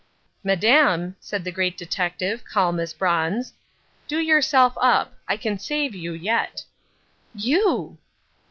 "Madame," said the Great Detective, calm as bronze, "do yourself up. I can save you yet." "You!"